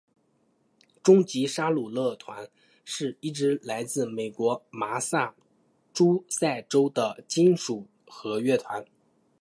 终极杀戮乐团是一支来自美国麻萨诸塞州的金属核乐团。